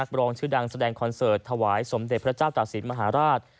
บรองชื่อดังแสดงคอนเสิร์ตถวายสมเด็จพระเจ้าตากศิลปมหาราช